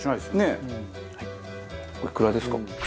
ねっ！おいくらですか？